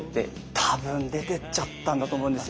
たぶん出てっちゃったんだと思うんですよね。